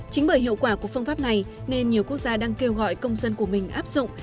chính bởi hiệu quả của phương pháp này nên nhiều quốc gia đang kêu gọi công dân của mình áp dụng